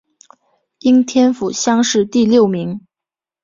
应天府乡试第六名。